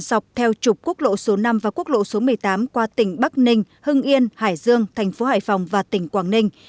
dọc theo trục quốc lộ số năm và quốc lộ số một mươi tám qua tỉnh bắc ninh hưng yên hải dương thành phố hải phòng và tỉnh quảng ninh